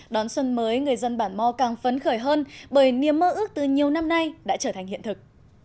đón xuân mới người dân bản mò càng phấn khởi hơn bởi niềm mơ ước từ nhiều năm nay đã trở thành hiện thực